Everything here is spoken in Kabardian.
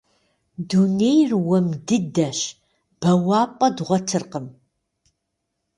Дунейр уэм дыдэщ, бэуапӏэ дгъуэтыркъым.